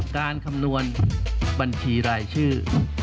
คำนวณบัญชีรายชื่อ